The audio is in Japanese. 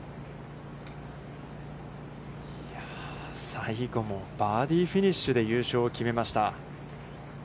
最後もバーディーフィニッシュで優勝を決めました。